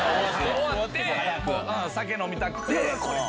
終わって酒飲みたくて。